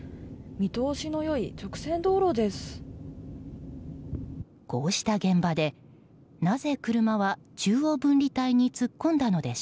見通しの良い直線道路です。